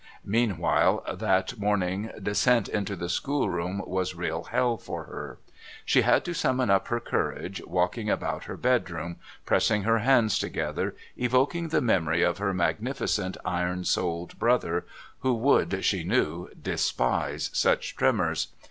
Meanwhile, that morning descent into the schoolroom was real hell for her. She had to summon up her courage, walking about her bedroom, pressing her hands together, evoking the memory of her magnificent iron souled brother, who would, she knew, despise such tremors.